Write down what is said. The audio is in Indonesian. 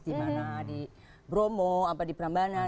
di mana di bromo apa di prambanan